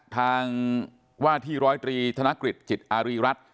ทางว่าที่ร้อยตรีธนกฤษจิตอารีรัฐ